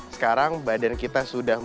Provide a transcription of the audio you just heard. sekarang badan kita sudah